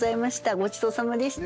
ごちそうさまでした。